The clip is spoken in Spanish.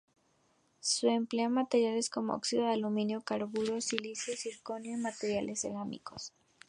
Se emplean materiales como óxido de aluminio, carburo de silicio, circonio y materiales cerámicos.